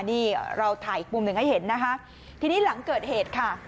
นี่เราถ่ายอีกมุมหนึ่งให้เห็นนะคะทีนี้หลังเกิดเหตุค่ะ